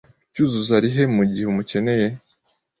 Cyuzuzo ari he mugihe umukeneye?